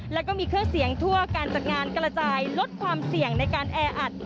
แล้วก็มีเครื่องเสียงทั่วการจัดงานกระจายลดความเสี่ยงในการแออัด